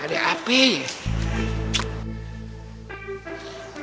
ada api ya